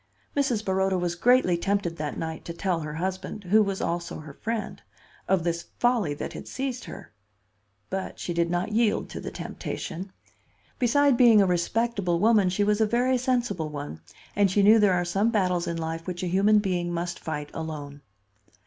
Mrs. Baroda was greatly tempted that night to tell her husband—who was also her friend—of this folly that had seized her. But she did not yield to the temptation. Beside being a respectable woman she was a very sensible one; and she knew there are some battles in life which a human being must fight alone.